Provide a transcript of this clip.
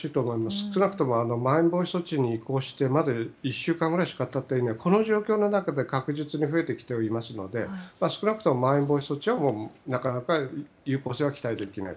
少なくともまん延防止措置に移行してまだ１週間ぐらいしか経っていない状況の中で確実に増えてきていますので少なくとも、まん延防止措置はなかなか有効性は期待できない。